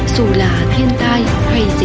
dù là thiên tai hay dịch bệnh